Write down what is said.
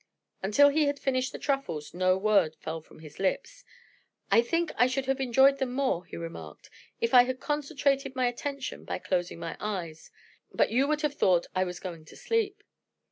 Until he had finished the truffles, no word fell from his lips. "I think I should have enjoyed them more," he remarked, "if I had concentrated my attention by closing my eyes; but you would have thought I was going to sleep."